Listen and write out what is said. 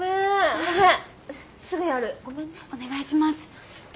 お願いします。